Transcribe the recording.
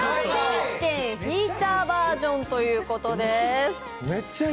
選手権フィーチャーバージョンということです。